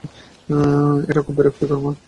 এটা খুব বিরক্তিকর, মা।